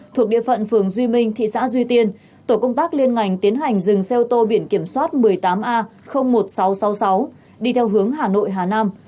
thuộc địa phận phường duy minh thị xã duy tiên tổ công tác liên ngành tiến hành dừng xe ô tô biển kiểm soát một mươi tám a một nghìn sáu trăm sáu mươi sáu đi theo hướng hà nội hà nam